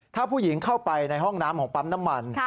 ถ้าผู้หญิงเข้าไปในห้องน้ำของปั๊มน้ำมัน